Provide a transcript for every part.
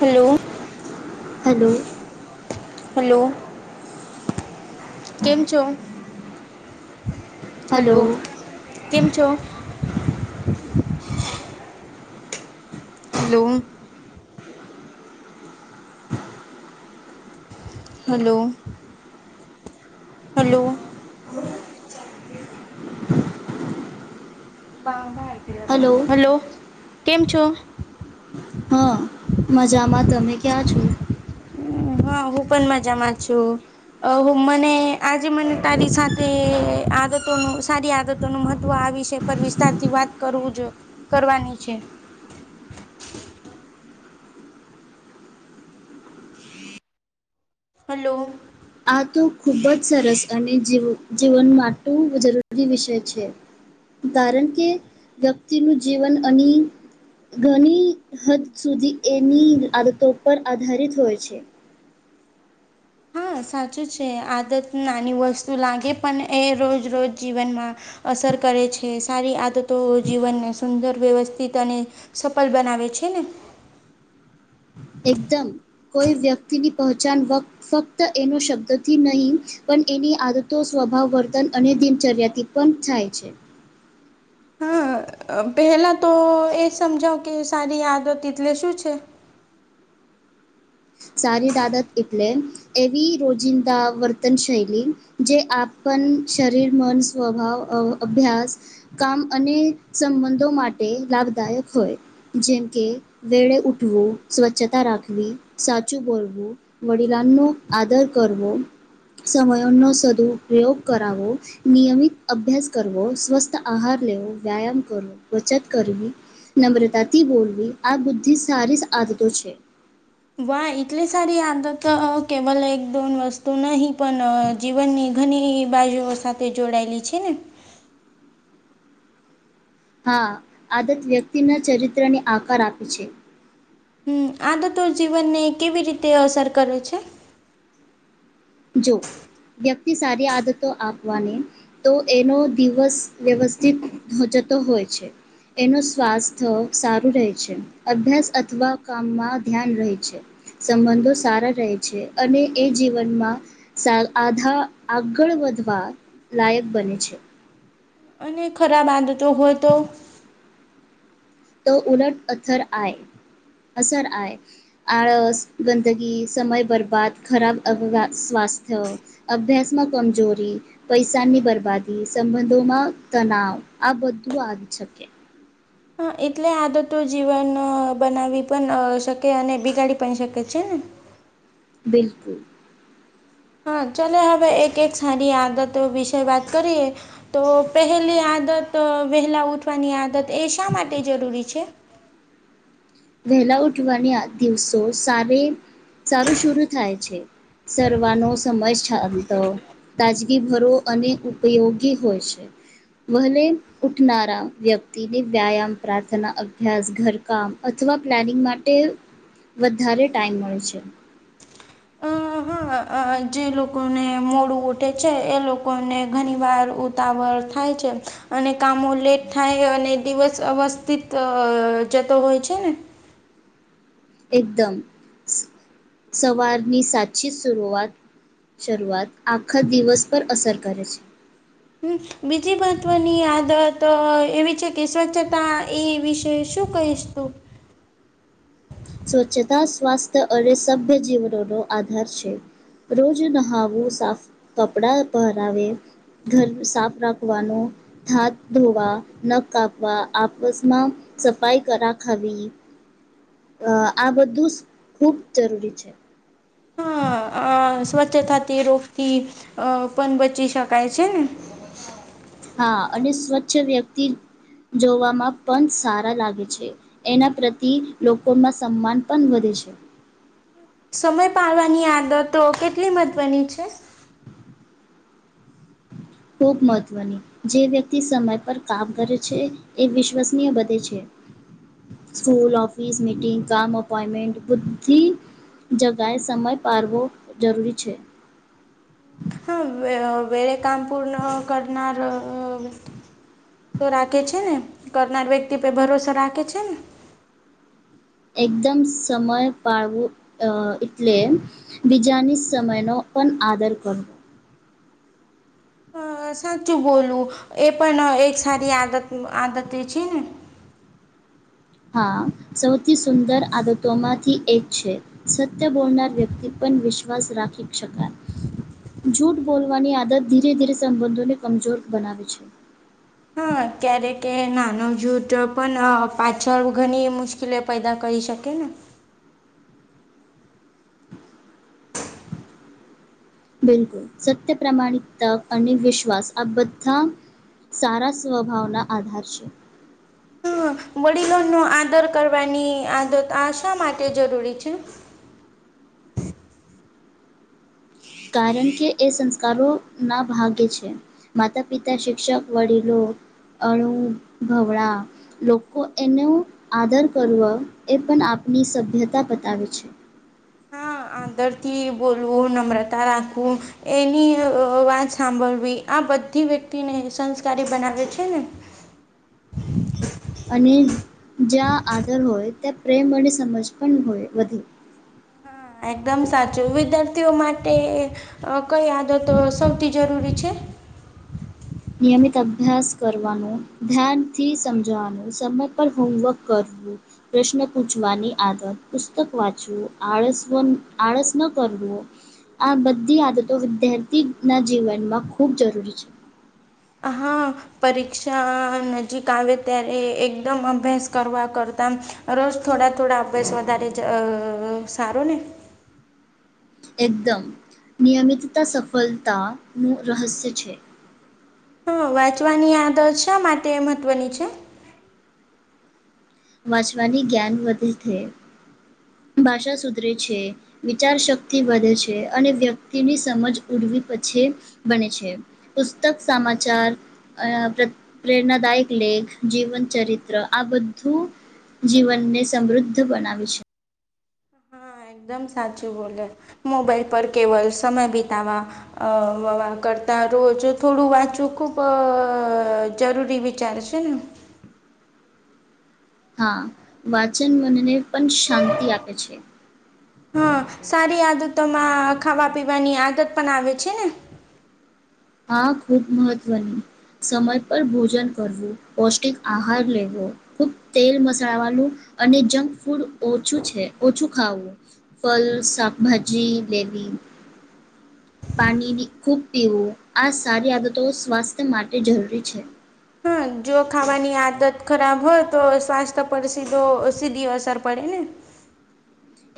Hello hello. Hello. કેમ છો? Hello hello, કેમ છો? હલો. હલો. હલો. હલો કેમ છો? હા મજામાં તમે ક્યાં છો? હા હું પણ મજામાં છું. અહો મને આજે મને તારી સાથે આદતોનું સારી આદતોનું મહત્વ આવી છે પર વિસ્તાર થી વાત કરવું જોઈએ કરવાની છે. હલો. આ તો ખૂબ જ સરસ અને જી જીવન માટે જરૂરી વિષય છે. કારણ કે, વ્યક્તિનું જીવન અને ઘણી હદ સુધી એની આદતો પર આધારિત હોય છે. હા સાચું છે આદત નાની વસ્તુ લાગે પણ એ રોજ રોજ જીવનમાં. અસર કરે છે સારી આદતો જીવનને સુંદર વ્યવસ્થિત અને સફલ બનાવે છે ને. એકદમ કોઈ વ્યક્તિની પહચાન વ ફક્ત એનો શબ્દથી નહીં. પણ એની આદતો સ્વભાવ વર્તન અને દિનચર્યાથી પણ થાય. પહેલાં તો એ સમજાવ કે સારી આદત એટલે શું છે? સારી આદાત એટલે એવી રોજિંદા વર્તન શૈલી, જે આપણ શરીર, મન, સ્વભાવ. અભ્યાસ, કામ અને સંબંધો માટે લાભદાયક હોય. જેમ કે વેળે ઉઠવું સ્વચ્છતા રાખવી. સાચું બોલવું, વડીલાનો આદર કરવો. સમયોનો સદુપયોગ કરાવો. નિયમિત અભ્યાસ કરવો સ્વસ્થ આહાર લેવો વ્યાયામ કરો બચત કરવી. નમ્રતાથી બોલવી આ બુદ્ધી સારી આદતો છે. વા એટલી સારી આદતો કેવલ એક દોન વસ્તુ નહી પણ જીવનની ઘણી બાજુઓ સાથે જોડાયેલી છે ને? હા આદત વ્યક્તિના ચરિત્ર ને આકાર આપે છે. હમ આદતો જીવનને કેવી રીતે અસર કરે છે? જો, વ્યક્તિ સારી આદતો આપવાની. તો એનો દિવસ વ્યવસ્થિત જતો હોય છે. એનું સ્વાસ્થ્ય સારું રહે છે. અભ્યાસ અથવા કામમાં ધ્યાન રહે છે. સંબંધો સારા રહે છે અને એ જીવનમાં સારું આધા આગળ વધવા લાયક બને છે. અને ખરાબ આદતો હોય તો? તો ઉરટ અથર આ અસર આ. આળસ, ગંદગી, સમય બરબાદ, ખરાબ અહ, સ્વાસ્થ્ય. અભ્યાસમાં કમજોરી. પૈસાની બરબાદી સંબંધોમાં તનાવ આ બધું આવી શકે. હા એટલે આદતું જીવન બનાવી પણ શકે અને બિગાડી પણ શકે છે ને. બિલકુલ. હા ચલો હવે એક એક સારી આદતો વિશે વાત કરીએ. તો પહેલી આદત વહેલા ઉઠવાની આદત એ શા માટે જરૂરી છે? વહેલા ઉઠવાની દિવસો સ સારું શર થાય છે. સર્વાનો સમય છાલતો. તાજગી ભરો અને ઉપયોગી હોય છે. વલે ઉઠનારા વ્યક્તિને વ્યાયામ પ્રાર્થના અભ્યાસ ઘરકામ. અથવા પ્લાનિંગ માટે વધારે ટાઈમ મળે છે. હ જે લોકોને મોડું ઉઠે છે એ લોકોને ઘણી વાર ઉતાવળ થાય છે, અને કામો લેટ થાય અને દિવસ અવસ્થિત તો જતં હોય છે ને. એકદમ, સવારની સાતચી સુરઆત શરૂઆત આખા દિવસ પર અસર કરે છે. હમમ બીજી મહત્વની આદતો એવી છે કે સ્વચ્છતા એ વિશેષ શું કહીશ તું? સ્વચ્છતા, સ્વાસ્થ્ય અને સભ્ય જીવનનો આધાર છે. રોજ નહાવું, સાફ કપડાં પહેરાવે ઘર સાફ રાખવાનું હાથ ધોવા, નખ કાપવા, આપસમાં સફાઈ કરા ખવી. અ આ બધું ખુબ જરૂરી છે. હા અ સ્વચ્છતા રોગથી અ પણ બચી શકાય છે. હા અને સ્વચ્છ વ્યક્તિ જોવામાં પણ સારા લાગે છે. એના પ્રતિ લોકોમાં સન્માન પણ વધે છે. સમય પાડવાની આદતો કેટલી મહત્વની છે? ખૂબ મહત્ત્વની જે વ્યક્તિ સમય પર કામ કરે છે એ વિશ્વસનીય બધે છે. સ્કૂલ, ઓફિસ, મીટિંગ, કામ, અપોઈન્ટમેન્ટ, બધી જગ્યા એ સમય પાડવો જરૂરી છે. હા વેળ કામ પૂર્ણ કરનાર અ તો રાખે છે ને કરનાર વ્યક્તિ પર ભરોસો રાખે છે ને. એકદમ સમય પાળવું એટલે બીજાની સમયનો પણ આદર કરવો. અ સાચું બોલવુ એ પણ એક સારી આદત આદતે છે ને. હા સૌથી સુંદર આદતોમાંથી એક છે. સત્ય બોલનાર વ્યક્તિ પણ વિશ્વાસ રાખી શકાય. જૂઠ બોલવાની આદત ધીરે ધીરે સંબંધોને કમજોર બનાવે છે. હા ક્યારેક એ નાનો જુઠ પણ પાછળ ઘણી મુશ્કેલી લે પેદા કરી શકે ને બિલકુલ સત્ય, પ્રમાણિકતા અને વિશ્વાસ આ બધા સારા સ્વભાવના આધાર છે. હા વડીલોનો આદર કરવાની આદત આ શા માટે જરૂરી છે? કારણ કે એ સંસ્કારોના ભાગે છે. માતા, પિતા, શિક્ષક, વડીલો અણુભવડા લોકો એનુ આદર કરવુ એ પણ આપની સભ્યતા બતાવે છે. હા આદર થી બોલવું, નમ્રતા રાખવું એની વાત સાંભળવી આ બધી વ્યક્તિને સંસ્કારી બનાવે છે ને. અને જ્યાં આદર હોય ત્યાં પ્રેમ અને સમજ પણ હોય વધે. હા એકદમ સાચું. વિદ્યાર્થીઓ માટે કઈ આદતો સૌથી જરૂરી છે? નિયમિત અભ્યાસ કરવાનું, ધ્યાનથી સમજવાનું, સમય પર હોમવર્ક કરવું. પ્રશ્ન પૂછવાની આદત, પુસ્તક વાંચવું, આળસ આળસ ન કરવું આ બધી આદતો વિદ્યાર્થીના જીવનમાં ખૂબ જરૂરી છે. આ હા. પરીક્ષા નજીક આવે ત્યારે એકદમ અભ્યાસ કરવા કરતા રોજ થોડા થોડા અભ્યાસ વધારે જ સારો ને એકદમ નિયમિતતા સફળતાનું રહસ્ય છે. હા વાંચવાની આદત શા માટે મહત્વની છે? વાંચવાની જ્ઞાન વધે થે ભાષા સુધરે છે. વિચાર શક્તિ વધે છે, અને વ્યક્તિની સમજ ઉડવી પછે બને છે. પુસ્તક સામાચાર અહ પ્રત પ્રેરણાદાયક લેખ, જીવન ચરિત્ર આ બધું જીવનને સમૃદ્ધ બનાવે છે. હા એકદમ સાચું બોલ્યા. મોબાઈલ પર કેવલ સમય બીતાવા અહ [unintelligible] કરતા રોજ થોડું વાંચવું ખુબ જરૂરી વિ ચારે છે ને. હા. વાચન મનને પણ શાંતિ આપે છે. હા. સારી આદતોમાં ખાવા-પીવાની આદત પણ આવે છે ને? હા ખુબ મહત્વની. સમય પર ભોજન કરવું, પૌષ્ટિક આહાર લેવો. ખુબ તેલ મસાલાવાલું અને જંક ફૂડ ઓછું છે, ઓછું ખાવું. ફલ, શાકભાજી લેવી. પાનીની ખૂબ પીવું. આ સારી આદતો સ્વાસ્થ્ય માટે જરૂરી છે. હા. જો ખાવાની આદત ખરાબ હોય તો સ્વાસ્થ્ય પર સીધો સીધી અસર પડે ને.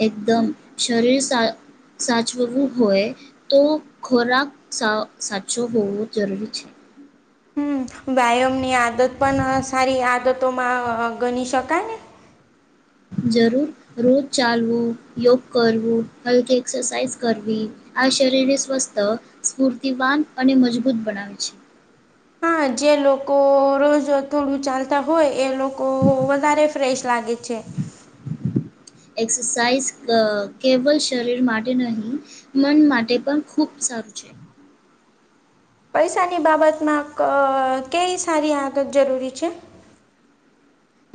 એકદમ શરીર સા સાચવવું હોઈએ તો ખોરાક સા સાચો હોવો જરૂરી છે. હમ વ્યાયામની આદત પણ સારી આદતોમાં ગણી શકાય ને. જરૂર. રોજ ચાલવું, યોગ કરવું, હલકી એક્સરસાઇઝ કરવી. આ શરીરને સ્વસ્થ, સ્ફૂર્તિવાન અને મજબૂત બનાવે છે. હા. જે લોકો રોજ થોડું ચાલતા હોય એ લોકો વધારે ફ્રેશ લાગે છે. [inaudible] એક્સરસાઇઝ ક કેવલ શરીર માટે નહીં મન માટે પણ ખુબ સારું છે. પૈસાની બાબતમાં ક કંઈ સારી આદત જરૂરી છે?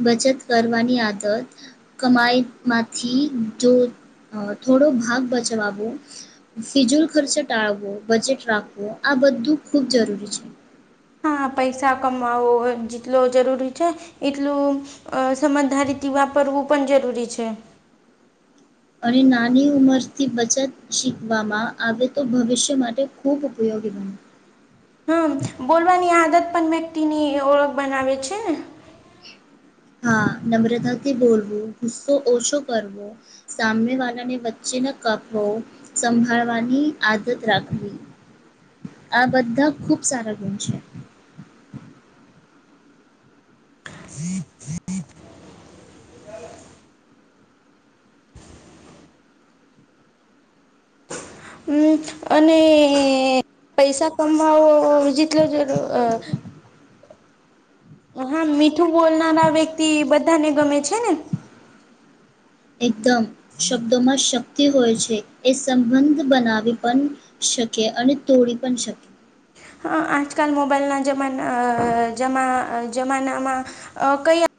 બચત કરવાની આદત કમાઈમાંથી જો થોડો ભાગ બચવાવું ફિજૂલ ખર્ચ ટાળવો, બજેટ રાખવો, આ બધું ખૂબ જરૂરી છે. હા પૈસા કમાઓ જેટલો જરૂરી છે, એટલું અહ સમજધારીથી વાપરવું પણ જરૂરી છે. અને નાની ઉંમરથી બચત શીખવામાં આવે તો ભવિષ્ય માટે ખૂબ ઉપયોગી બને. હમ્મ. બોલવાની આદત પણ વ્યક્તિની ઓળખ બનાવે છે ને. હા. નમ્રતાથી બોલવું, ગુસ્સો ઓછો કરવો. સામનેવાલાને વચ્ચે ના કાપવો. સંભાળવાની આદત રાખવી આ બધા ખુબ સારા ગુણ છે. હમ્મ. અને પૈસા કમાવાવો જેટલો જર અહ હા. મીઠું બોલનારા વ્યક્તિ બધાને ગમે છે ને. એકદમ. શબ્દોમાં જ શક ક્તિ હોય છે. એ સંબંધ બનાવી પણ શકે અને તોડી પણ શકે. હા. આજકાલ મોબાઈલના જમાન અહ જમા જમાનામાં અહ કયા